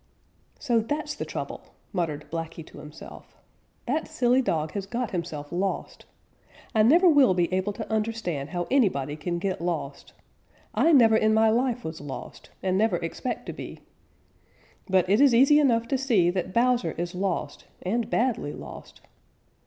"So that's the trouble," muttered Blacky to himself. "That silly dog has got himself lost. I never will be able to understand how anybody can get lost. I never in my life was lost, and never expect to be. But it is easy enough to see that Bowser is lost and badly lost.